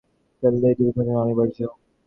কোথাও দ্রুত একটি লাইন খুলে ফেললেই দুর্ঘটনা অনিবার্য।